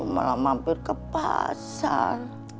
malah mampir ke pasar